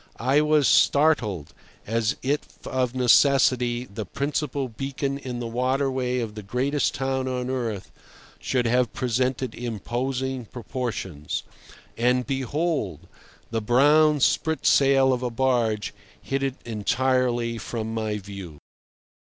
I was startled, as if of necessity the principal beacon in the water way of the greatest town on earth should have presented imposing proportions. And, behold! the brown sprit sail of a barge hid it entirely from my view.